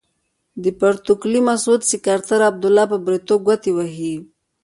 د پروتوکولي مسعود سکرتر عبدالله په بریتو ګوتې وهي.